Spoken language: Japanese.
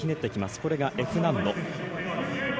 これがＦ難度。